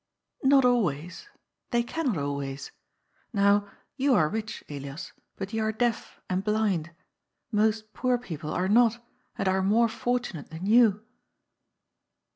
" Not always. They cannot always. Now, you are rich, Elias, but you are deaf, and blind. Most poor people are not, and are more fortunate than you."